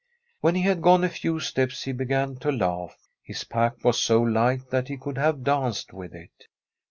When he had gone a few steps he began to laugh. His pack was so light that he could have danced with it.